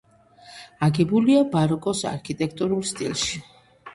აგებულია ბაროკოს არქიტექტურულ სტილში.